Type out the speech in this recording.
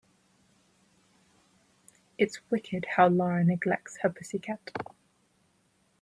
It's wicked how Lara neglects her pussy cat.